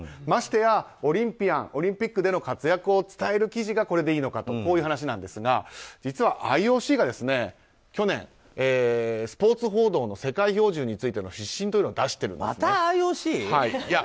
ましてやオリンピアンオリンピックでの活躍を伝える記事がこれでいいのかというこういう話なんですが実はＩＯＣが去年、スポーツ報道の世界標準についての指針を出しているんです。